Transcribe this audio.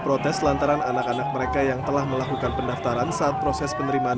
protes lantaran anak anak mereka yang telah melakukan pendaftaran saat proses penerimaan